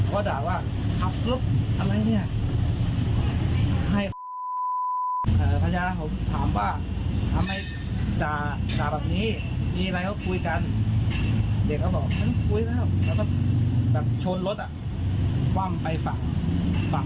เขาก็ด่าว่าครับครับอะไรเนี่ยให้เอ่อพญานาคมถามว่า